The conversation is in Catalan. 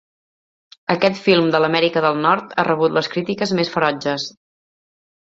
Aquest film de l'Amèrica del Nord ha rebut les crítiques més ferotges.